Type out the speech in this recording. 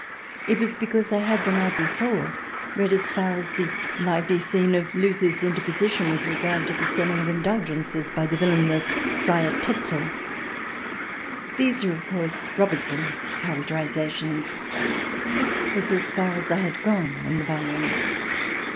It was because I had, the night before, read as far as the lively scene of Luther's interposition with regard to the selling of indulgences by the villainous Friar Tetzel. These are, of course, Robertson's characterizations. This was as far as I had gone in the volume.